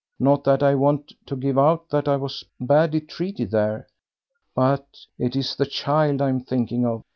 Not that I want to give out that I was badly treated there, but it is the child I'm thinking of.